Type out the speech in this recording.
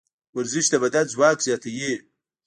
ورزش د بدن ځواک زیاتوي.